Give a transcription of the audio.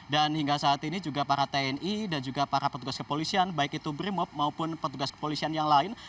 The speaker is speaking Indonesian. dan hingga saat ini juga para tni dan juga para petugas kepolisian baik itu bremob maupun petugas kepolisian yang lain